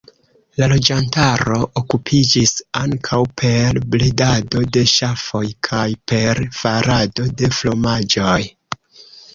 La loĝantaro okupiĝis ankaŭ per bredado de ŝafoj kaj per farado de fromaĝoj.